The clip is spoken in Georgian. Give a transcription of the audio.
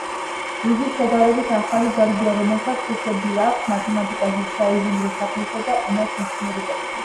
იგი შედარებით ახალი დარგია, რომელსაც ფესვები აქვს მათემატიკაში, საინჟინრო საქმესა და ენათმეცნიერებაში.